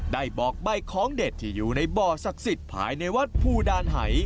ได้บอกใบ้ของเด็ดที่อยู่ในบ่อศักดิ์สิทธิ์ภายในวัดภูดานหาย